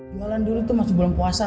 jualan dulu itu masih belum puasa